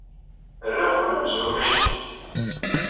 Rriɣ-ken amzun ulac-iken.